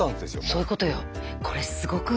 そういうことよ。